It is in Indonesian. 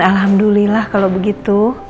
alhamdulillah kalo begitu